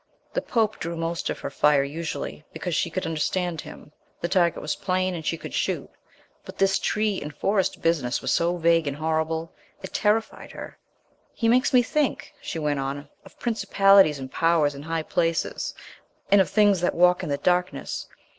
The Pope drew most of her fire usually, because she could understand him; the target was plain and she could shoot. But this tree and forest business was so vague and horrible. It terrified her. "He makes me think," she went on, "of Principalities and Powers in high places, and of things that walk in the darkness.